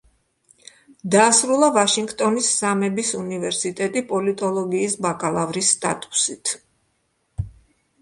დაასრულა ვაშინგტონის სამების უნივერსიტეტი პოლიტოლოგიის ბაკალავრის სტატუსით.